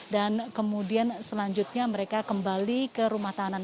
dan kemudian selanjutnya mereka kembali ke rumah tahanan